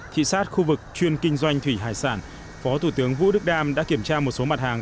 thị sát khu vực chuyên kinh doanh thủy hải sản phó thủ tướng vũ đức đam đã kiểm tra một số mặt hàng